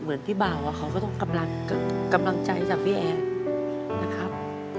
พี่บ่าวเขาก็ต้องกำลังใจจากพี่แอร์นะครับ